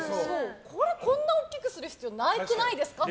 これ、こんなに大きくする必要なくないですかって。